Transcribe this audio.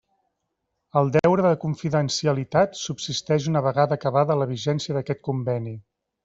El deure de confidencialitat subsisteix una vegada acabada la vigència d'aquest Conveni.